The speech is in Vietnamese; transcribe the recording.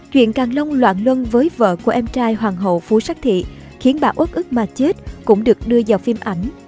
chuyện càng long loạn luân với vợ của em trai hoàng hậu phú sát thị khiến bà út ức mà chết cũng được đưa vào phim ảnh